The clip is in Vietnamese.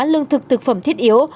lương thực thực phẩm thiết yếu